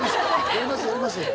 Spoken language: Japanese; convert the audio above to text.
やりますやります